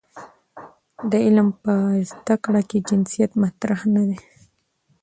د علم په زده کړه کې جنسیت مطرح نه دی.